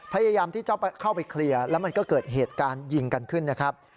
พยายามที่จะเข้าไปเคลียร์แล้วมันก็เกิดเหตุการณ์ยิงกันขึ้นนะครับ